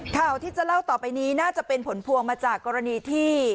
ข่าวที่จะเล่าต่อไปนี้น่าจะเป็นผลพวงมาจากกรณีที่